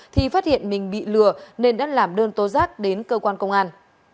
thì phát hiện mình bị lừa nên đã làm đơn tố giác đến cơ quan công an